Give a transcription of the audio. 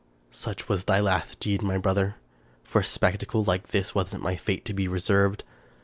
Such was thy last deed, my brother! For a spectacle like this was it my fate to be reserved!